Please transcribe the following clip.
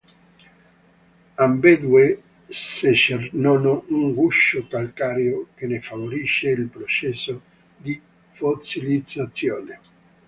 Ambedue secernono un guscio calcareo, che ne favorisce il processo di fossilizzazione.